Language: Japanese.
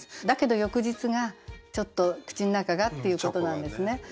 だけど翌日がちょっと口の中がっていうことなんですね。